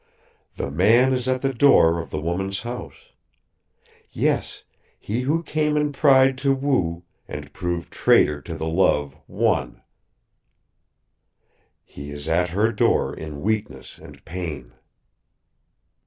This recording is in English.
"The man is at the door of the woman's house. Yes, he who came in pride to woo, and proved traitor to the love won he is at her door in weakness and pain.